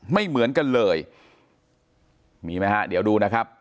ไม่เหมือนกันเลยมีไหมฮะเดี๋ยวดูนะครับ